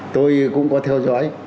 tôi cũng có theo dõi